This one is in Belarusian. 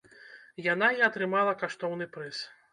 Яна і атрымала каштоўны прыз.